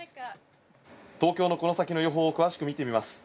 東京のこの先の予報を詳しく見てみます。